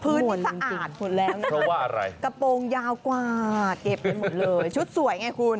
พื้นนี้สะอาดหมดแล้วนะเพราะว่าอะไรกระโปรงยาวกว่าเก็บไปหมดเลยชุดสวยไงคุณ